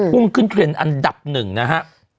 พุ่งขึ้นเทรนด์อันดับหนึ่งนะฮะ